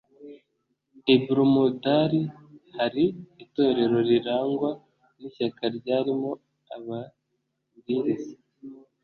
i Brumunddal hari itorero rirangwa n ishyaka ryarimo ababwiriza